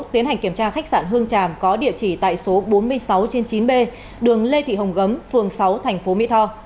tiến hành kiểm tra khách sạn hương tràm có địa chỉ tại số bốn mươi sáu trên chín b đường lê thị hồng gấm phường sáu tp mỹ tho